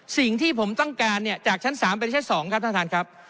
สิ่งที่ผมต้องการเนี่ยจากชั้น๓เป็นชั้น๒ครับท่านท่านครับ